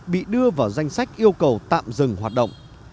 bị đưa vào danh sách yêu cầu tạm dừng hoạt động